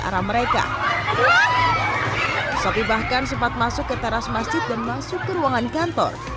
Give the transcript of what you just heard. arah mereka sopi bahkan sempat masuk ke teras masjid dan masuk ke ruangan kantor